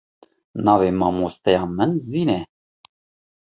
Navê mamosteya min Zîn e.